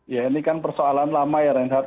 ya ini kan persoalan lama ya reinhardt